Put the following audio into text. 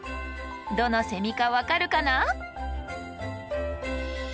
どのセミか分かるかな？